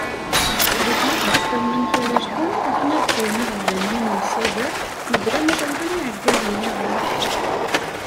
Dagi, ad iḥfiḍen amek ara lḥun akken ad ffrun aɣbel-nni n umsider mebla ma ssawlen i yiɛeggalen nniḍen.